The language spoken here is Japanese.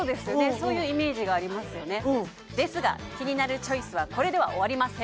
そういうイメージがありますよねですが「キニナルチョイス」はこれでは終わりません